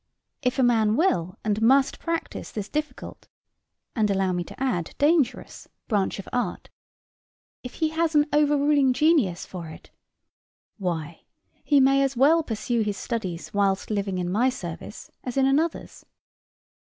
If a man will and must practise this difficult (and allow me to add, dangerous) branch of art if he has an overruling genius for it, why, he might as well pursue his studies whilst living in my service as in another's.